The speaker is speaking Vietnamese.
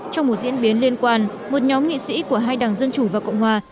trong một diễn biến liên quan một nhóm nghị sĩ của hai đảng dân chủ và cộng hòa